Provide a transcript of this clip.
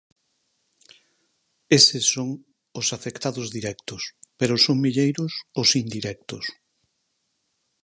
Eses son os afectados directos, pero son milleiros os indirectos.